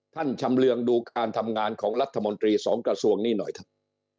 ชำเรืองดูการทำงานของรัฐมนตรีสองกระทรวงนี้หน่อยครับ